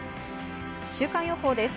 週間予報です。